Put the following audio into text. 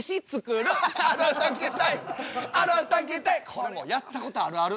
これもやったことあるある。